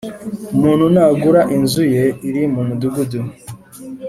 Umuntu nagura inzu ye iri mu mudugudu